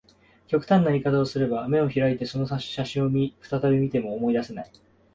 極端な言い方をすれば、眼を開いてその写真を再び見ても、思い出せない